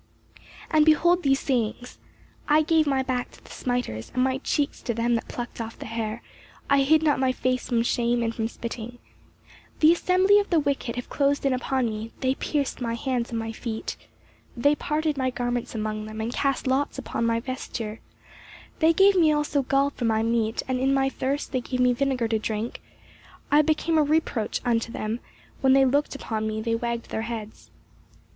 "And behold these sayings 'I gave my back to the smiters, and my cheeks to them that plucked off the hair: I hid not my face from shame and from spitting' 'The assembly of the wicked have closed in upon me, they pierced my hands and my feet' 'They parted my garments among them, and cast lots upon my vesture' 'They gave me also gall for my meat, and in my thirst they gave me vinegar to drink' 'I became a reproach unto them, when they looked upon me they wagged their heads.